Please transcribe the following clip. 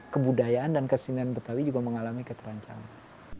kebudayaan dan kesenian betawi juga mengalami keterancaman